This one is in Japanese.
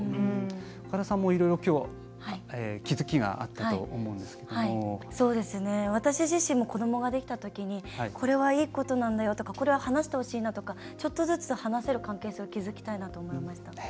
岡田さんもいろいろ気付きがあったと私自身も子どもができたときにこれは、いいことなんだよとか話してほしいなとかちょっとずつ話せる関係性を築きたいなと思いました。